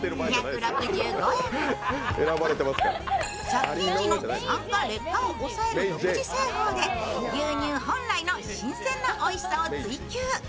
殺菌時の酸化劣化を抑える独自製法で、牛乳本来の新鮮なおいしさを追求。